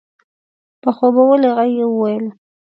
په خوبولي غږ يې وويل؛